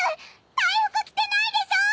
隊服着てないでしょ！